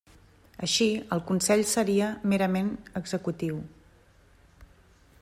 Així el Consell seria merament executiu.